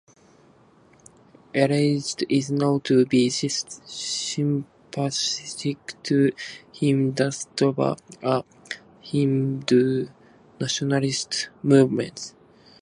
Elst is known to be sympathetic to Hindutva, a Hindu nationalist movement.